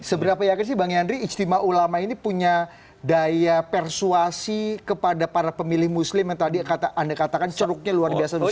seberapa yakin sih bang yandri istimewa ulama ini punya daya persuasi kepada para pemilih muslim yang tadi anda katakan ceruknya luar biasa besar